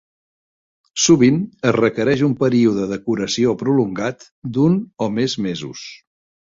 Sovint es requereix un període de curació prolongat d'un o més mesos.